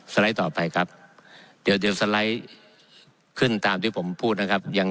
ไลด์ต่อไปครับเดี๋ยวสไลด์ขึ้นตามที่ผมพูดนะครับ